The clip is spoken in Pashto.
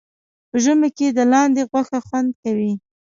په ژمي کې د لاندي غوښه خوند کوي